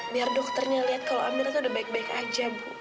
biar dokternya lihat kalau amira tuh udah baik baik aja ibu